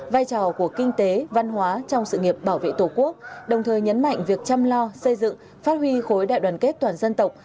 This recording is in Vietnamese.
vai trò của kinh tế văn hóa trong sự nghiệp bảo vệ tổ quốc đồng thời nhấn mạnh việc chăm lo xây dựng phát huy khối đại đoàn kết toàn dân tộc